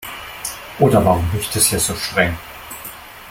Oder warum riecht es hier so streng?